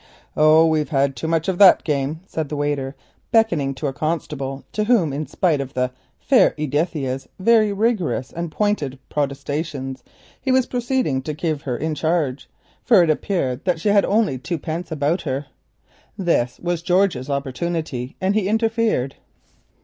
"Oh, we've had too much of that game," said the waiter, beckoning to a constable, to whom, in spite of the "fair Edithia's" very vigorous and pointed protestations, he went on to give her in charge, for it appeared that she had only twopence about her. This was George's opportunity, and he interfered.